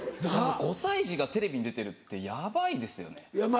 ５歳児がテレビに出てるってヤバいですよね。